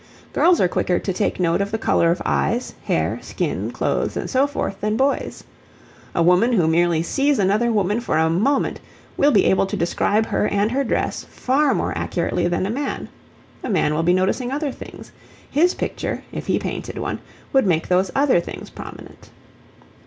Girls are quicker to take note of the colour of eyes, hair, skin, clothes, and so forth than boys. A woman who merely sees another woman for a moment will be able to describe her and her dress far more accurately than a man. A man will be noticing other things. His picture, if he painted one, would make those other things prominent.